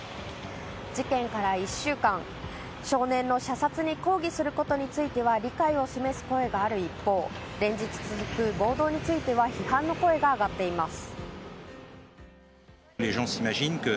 事件から１週間、少年の射殺に抗議することについては理解を示す声がある一方連日続く暴動については批判の声が上がっています。